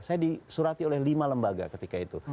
saya disurati oleh lima lembaga ketika itu